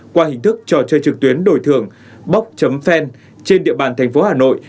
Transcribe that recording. qua hình thức trò chơi trực tuyến đổi thường bóc chấm fan trên địa bàn tp hà nội